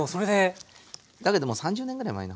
だけども３０年ぐらい前の話なので。